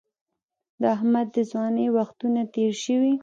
د احمد د ځوانۍ وختونه تېر شوي